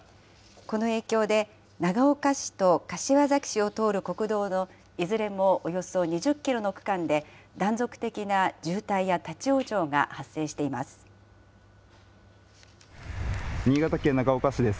この影響で、長岡市と柏崎市を通る国道のいずれもおよそ２０キロの区間で、断続的な渋滞や立往生が発生しています。